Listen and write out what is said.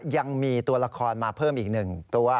ยังมีตัวละครมาเพิ่มอีก๑ตัว